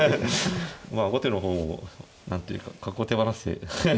まあ後手の方も何ていうか角を手放して。